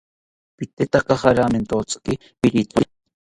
Potetaka jamenkorentziki pirithori